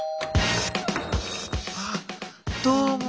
ああどうも。